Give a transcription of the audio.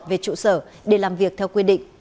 về trụ sở để làm việc theo quy định